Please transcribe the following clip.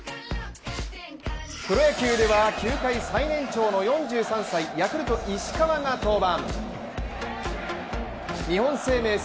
プロ野球では、球界最年長の４３歳、ヤクルト、石川が登板。